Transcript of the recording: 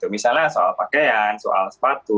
misalnya soal pakaian soal sepatu